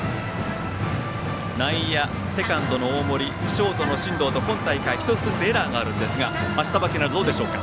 内野、セカンドの大森ショートの進藤と今大会１つずつエラーがあるんですが足さばきなどどうでしょうか？